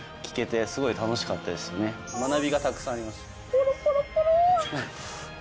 ポロポロポロ！